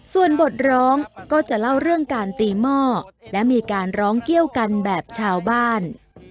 ส่วนบทร้องก็จะเล่าเรื่องการตีหม้อและมีการร้องเกี้ยวกันแบบชาวบ้าน